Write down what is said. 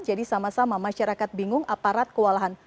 jadi sama sama masyarakat bingung aparat kewalahan